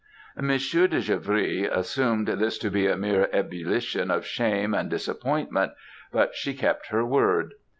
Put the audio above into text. "Monseiur de Givry assumed this to be a mere ebullition of shame and disappointment; but she kept her word.